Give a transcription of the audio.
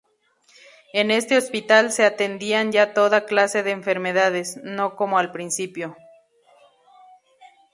En este hospital se atendían ya toda clase de enfermedades, no como al principio.